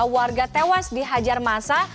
warga tewas di hajar masa